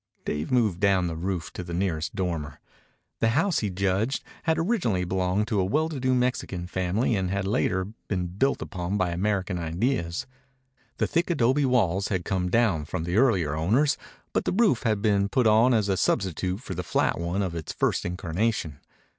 Dave moved down the roof to the nearest dormer. The house, he judged, had originally belonged to a well to do Mexican family and had later been rebuilt upon American ideas. The thick adobe walls had come down from the earlier owners, but the roof had been put on as a substitute for the flat one of its first incarnation.